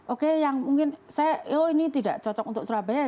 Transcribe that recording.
oke yang mungkin saya oh ini tidak cocok untuk surabaya